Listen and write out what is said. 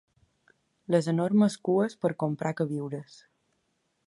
Les enormes cues per comprar queviures